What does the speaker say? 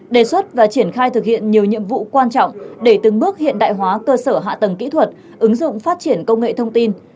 đề xuất và triển khai thực hiện nhiều nhiệm vụ quan trọng để từng bước hiện đại hóa cơ sở hạ tầng kỹ thuật ứng dụng phát triển công nghệ thông tin